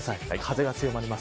風が強まります。